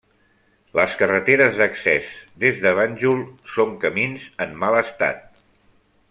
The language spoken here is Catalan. Les carreteres d'accés des de Banjul són camins en mal estat.